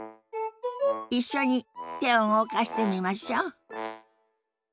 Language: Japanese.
一緒に手を動かしてみましょ。